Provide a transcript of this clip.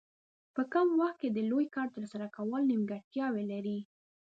په کم وخت کې د لوی کار ترسره کول نیمګړتیاوې لري.